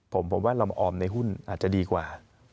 ผมว่าเรามาออมในหุ้นอาจจะดีกว่า